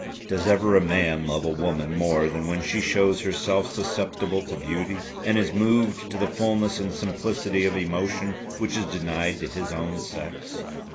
Does ever a man love a woman more than when she shows herself susceptible to beauty, and is moved to the fulness and simplicity of emotion which is denied to his own sex?